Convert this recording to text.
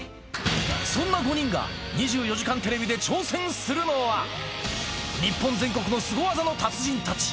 そんな５人が２４時間テレビで挑戦するのは、日本全国のすご技の達人たち。